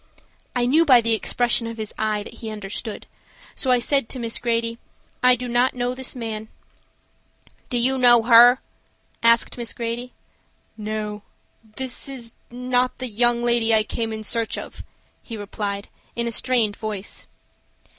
I knew by the expression of his eye that he understood, so I said to Miss Grady: "I do not know this man." "Do you know her?" asked Miss Grady. "No; this is not the young lady I came in search of," he replied, in a strained voice.